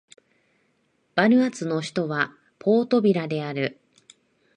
バヌアツの首都はポートビラである